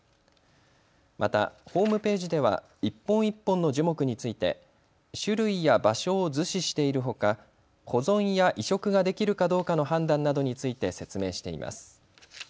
またホームページでは一本一本の樹木について種類や場所を図示しているほか保存や移植ができるかどうかの判断などについて説明しています。